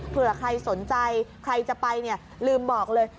เผื่อใครสนใจใครจะไปเนี่ยลืมบอกเลย